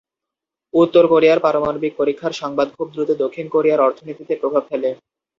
উত্তর কোরিয়ার পারমাণবিক পরীক্ষার সংবাদ খুব দ্রুত দক্ষিণ কোরিয়ার অর্থনীতিতে প্রভাবে ফেলে।